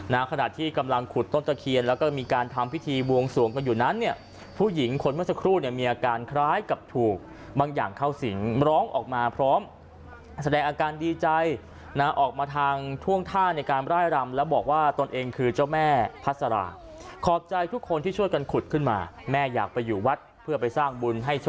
ขณะที่กำลังขุดต้นตะเคียนแล้วก็มีการทำพิธีบวงสวงกันอยู่นั้นเนี่ยผู้หญิงคนเมื่อสักครู่เนี่ยมีอาการคล้ายกับถูกบางอย่างเข้าสิงร้องออกมาพร้อมแสดงอาการดีใจนะออกมาทางท่วงท่าในการร่ายรำแล้วบอกว่าตนเองคือเจ้าแม่พัสราขอบใจทุกคนที่ช่วยกันขุดขึ้นมาแม่อยากไปอยู่วัดเพื่อไปสร้างบุญให้ช